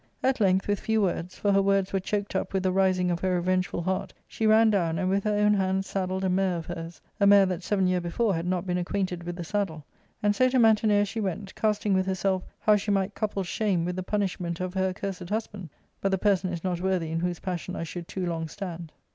* At length, with few words, for her words were choked up with the rising of her revengeful heart, she ran down, and with her own hands saddled a mare of hers ; a mare that seven year before had not been acquainted with the saddle, and so to Mantinea she went, casting with herself how she might couple shame with the punishment of her accursed husband ; but the person is not worthy in whose passion I should too long stand.